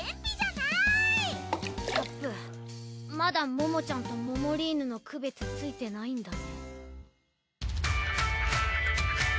キャップまだももちゃんとモモリーヌの区別ついてないんだね。